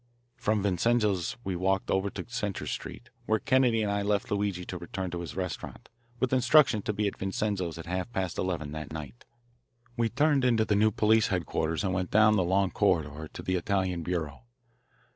From Vincenzo's we walked over toward Centre Street, where Kennedy and I left Luigi to return to his restaurant, with instructions to be at Vincenzo's at half past eleven that night. We turned into the new police headquarters and went down the long corridor to the Italian Bureau.